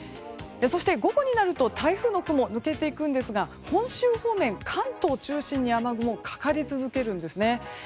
そして、午後になると台風の雲は抜けていくんですが本州方面、関東中心に雨雲がかかり続けるんですね。